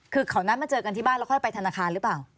คือเขานัดมาเจอกันที่บ้านแล้วค่อยไปธนาคารหรือเปล่า